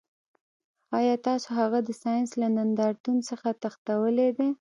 ایا تاسو هغه د ساینس له نندارتون څخه تښتولی دی